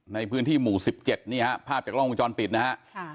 ในพื้นที่หมู่๑๗ภาพจากล้องมุมจรปิดนะครับ